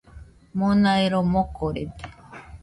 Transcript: Mona ero mokorede.